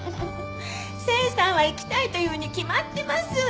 清さんは行きたいと言うに決まってます。